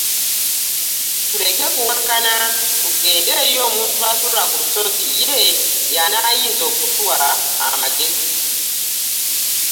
Tuleke kuwakana; tugende eri omuntu asula kulusozi, ye anaayinza okutuwa amagezi.